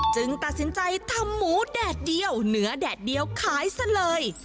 ตัดสินใจทำหมูแดดเดียวเนื้อแดดเดียวขายซะเลย